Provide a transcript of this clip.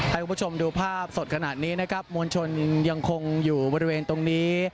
ให้คุณผู้ชมดูภาพสดขนาดนี้นะครับมวลชนยังคงอยู่บริเวณตรงนี้